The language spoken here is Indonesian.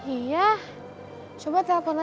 iya coba telepon aja pak